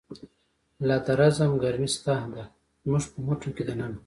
لا د رزم گرمی شته ده، زمونږ په مټو کی د ننه